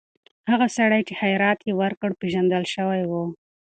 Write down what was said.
هغه سړی چې خیرات یې وکړ، پېژندل شوی و.